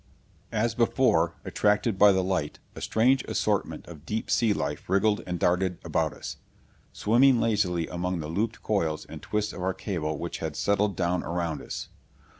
As before, attracted by the light, a strange assortment of deep sea life wriggled and darted about us, swimming lazily among the looped coils and twists of our cable which had settled down around us.